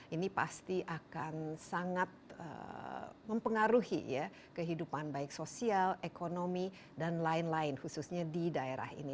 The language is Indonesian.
ini pasti akan sangat mempengaruhi ya kehidupan baik sosial ekonomi dan lain lain khususnya di daerah ini